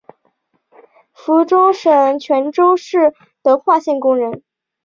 福建省泉州市德化县工人。